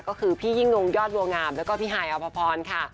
ก็คือพี่ยิ่งนงยอดบัวงามแล้วก็พี่ฮายอภพรค่ะ